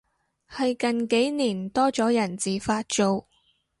係近幾年多咗人自發做